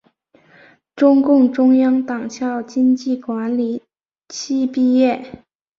中共中央党校经济管理系毕业。